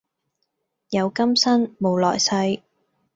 有今生冇來世